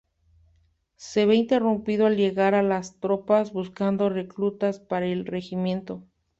Se ve interrumpido al llegar las tropas buscando reclutas para el regimiento.